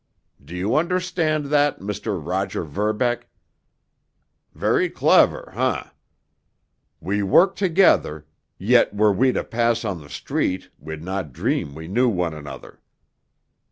Do you understand that, Mr. Roger Verbeck? Very clever, eh? We work together, yet were we to pass on the street we'd not dream we knew one another.